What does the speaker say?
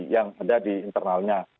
yang ada di internalnya